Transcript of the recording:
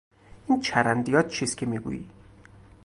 این چرندیات چیست که میگویی؟